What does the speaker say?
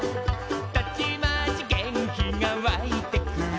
「たちまち元気がわいてくる」